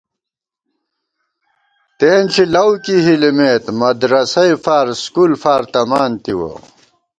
تېنݪی لَؤکی ہِلِمېت، مدرسَئےفار سکول فار تمان تِوَہ